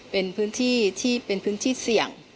เป็นพื้นที่เสี่ยง